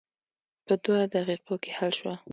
په دوه دقیقو کې حل شوه.